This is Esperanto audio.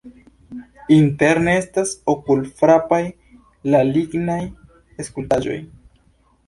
Interne estas okulfrapaj la lignaj skulptaĵoj.